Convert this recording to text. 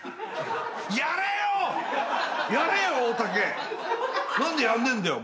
「やれよ！